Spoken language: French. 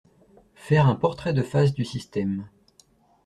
Faire un portrait de phase du système